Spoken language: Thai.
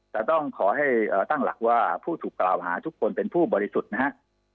แต่ต้องขอให้ตั้งหลักว่าผู้ถูกกล่าวหาทุกคนเป็นผู้บริสุทธิ์นะฮะ